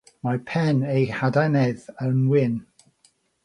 Mae pen eu hadenydd yn wyn.